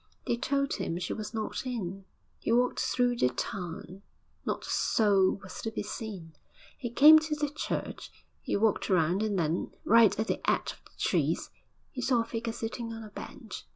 They told him she was not in. He walked through the town; not a soul was to be seen. He came to the church; he walked round, and then right at the edge of the trees he saw a figure sitting on a bench.